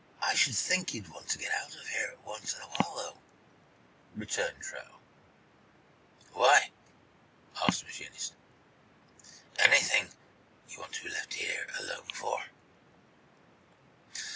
"I should think you'd want to get out of here once in a while, though," returned Truax. "Why?" asked the machinist. "Anything you want to be left alone here for?"